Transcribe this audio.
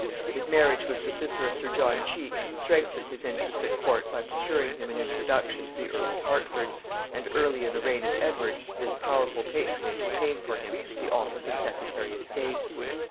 His marriage with the sister of sir John Cheke strengthened his interest at court by procuring him an introduction to the earl of Hertford, and early in the reign of Edward this powerful patronage obtained for him the office of secretary of state.